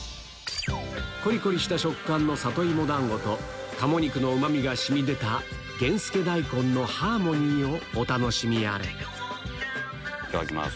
コリコリした食感の里芋団子と鴨肉のうま味が染み出た源助大根のハーモニーをお楽しみあれいただきます。